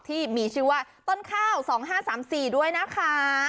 ที่มีชื่อว่าต้นข้าว๒๕๓๔ด้วยนะคะ